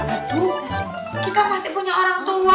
aduh kita masih punya orang tua